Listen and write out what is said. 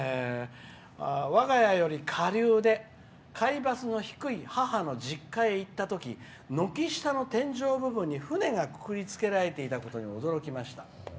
「わが家より下流で海抜の低い母の実家へ行ったとき軒下の天井部分に船がくくりつけられていたことに驚きました」。